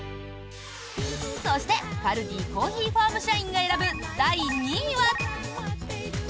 そして、カルディコーヒーファーム社員が選ぶ第２位は。